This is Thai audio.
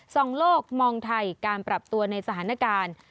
สองโลกมองไทยการปรับตัวในสถานการณ์